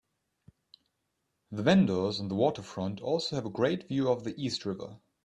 The vendors on the waterfront also have a great view of the East River.